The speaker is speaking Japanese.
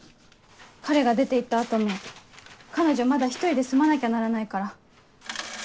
彼が出て行った後も彼女まだ１人で住まなきゃならないから。